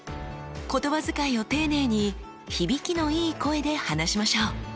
言葉遣いを丁寧に響きのいい声で話しましょう。